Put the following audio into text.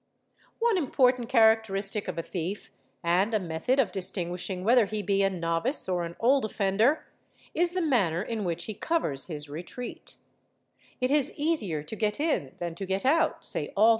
One important characteristic of a thief and a method of distinguishing, vhether he be a novice or an old offender, is the manner in which he 'Covers his retreat: "It is easier to get in than to get out" say all